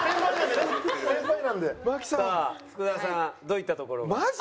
さあ福田さんどういったところが？